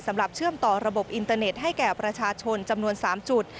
เชื่อมต่อระบบอินเตอร์เน็ตให้แก่ประชาชนจำนวน๓จุด